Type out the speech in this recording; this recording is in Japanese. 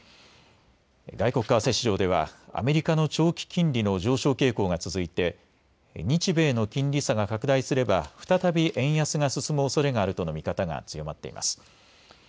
外国為替市場ではアメリカの長期金利の上昇傾向が続いて日米の金利差が拡大すれば再び円安が進むおそれがあるとの見方が強まっています。